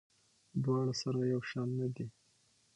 دواړه سره یو شان نه دي.